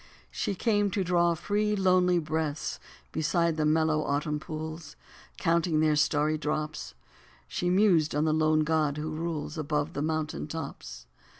She came to draw free, lonely breaths beside the mellow, autumn pools ; Counting their starry drops. She mused on the lone god who rules Above the mountain tops.